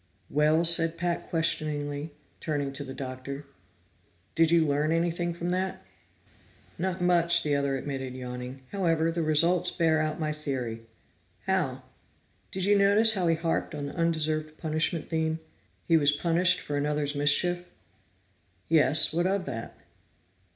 "Well?" said Pat questioningly, turning to the Doctor. "Did you learn anything from that?" "Not much," the other admitted, yawning. "However, the results bear out my theory." "How?" "Did you notice how he harped on the undeserved punishment theme? He was punished for another's mischief?" "Yes. What of that?"